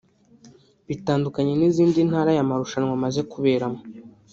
Bitandukanye n’izindi Ntara aya marushanwa amaze kuberamo